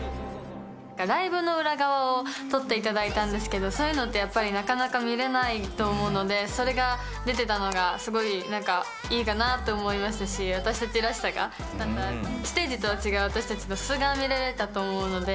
ライブの裏側を撮っていただいたんですけれども、そういうのってやっぱり、なかなか見れないと思うので、それが出てたのが、すごいなんかいいかなと思いましたし、私たちらしさがステージとは違う私たちの素が見れたと思うので。